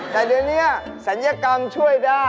แต่เดี๋ยวนี้ศัลยกรรมช่วยได้